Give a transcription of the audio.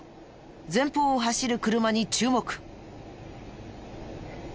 前方を走る車に注目。